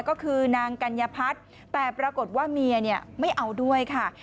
ก็คือนางกัญญพัฒน์แต่ปรากฏว่าเมียไม่เอาด้วยค่ะ